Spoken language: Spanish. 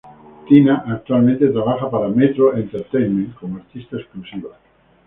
Tina actualmente trabaja para Metro Entertainment como artista exclusiva.